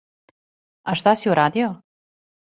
А шта си урадио?